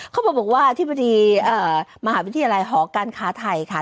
เขาบอกว่าอธิบดีมหาวิทยาลัยหอการค้าไทยค่ะ